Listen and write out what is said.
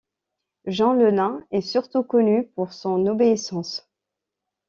Jean le nain est surtout connu pour son obéissance.